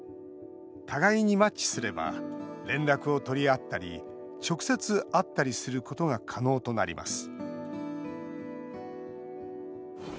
互いにマッチすれば連絡を取り合ったり直接、会ったりすることが可能となります